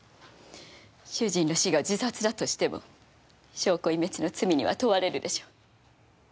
主人の死が自殺だとしても証拠隠滅の罪には問われるでしょ。